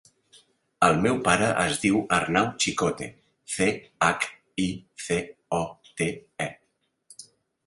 El meu pare es diu Arnau Chicote: ce, hac, i, ce, o, te, e.